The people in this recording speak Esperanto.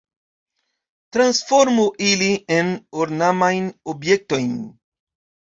Transformu ilin en ornamajn objektojn!